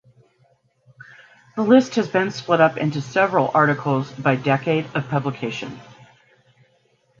The list has been split up into several articles by decade of publication.